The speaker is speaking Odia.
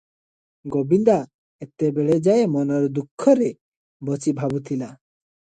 ଗୋବିନ୍ଦା ଏତେବେଳେ ଯାଏ ମନର ଦୁଃଖରେ ବସି ଭାବୁଥିଲା ।